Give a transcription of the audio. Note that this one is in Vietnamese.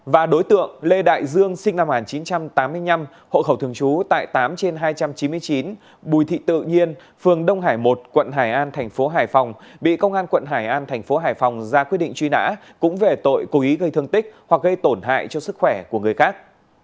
và đối tượng lê đại dương sinh năm một nghìn chín trăm tám mươi năm hộ khẩu thường trú tại tám trên hai trăm chín mươi chín bùi thị tự nhiên phường đông hải một quận hải an thành phố hải phòng bị công an quận hải an thành phố hải phòng ra quyết định truy nã cũng về tội cố ý gây thương tích hoặc gây tổn hại cho sức khỏe của người khác